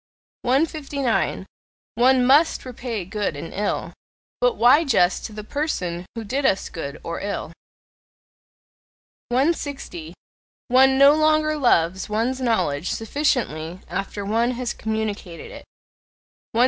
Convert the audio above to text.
159. One MUST repay good and ill; but why just to the person who did us good or ill? 160. One no longer loves one's knowledge sufficiently after one has communicated it. 161.